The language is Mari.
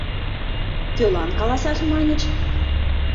Кӧлан каласаш маньыч?